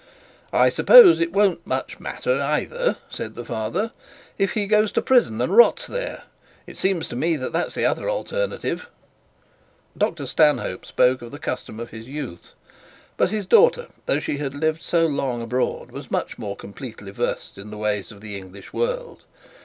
'I suppose it won't much matter either,' said the father, 'if he goes to prison and rots there. It seems to me that that's the other alternative.' Dr Stanhope spoke the custom of his youth. But his daughter, though she lived so long abroad, was much more completely versed in the ways of the English world.